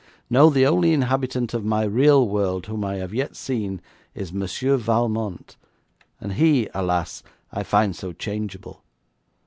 No, the only inhabitant of my real world whom I have yet seen is Monsieur Valmont, and he, alas! I find so changeable.